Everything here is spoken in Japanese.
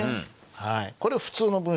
はい。